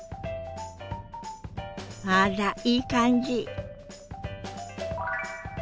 あらいい感じ！